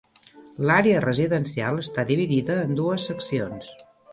L'àrea residencial està dividida en dues seccions.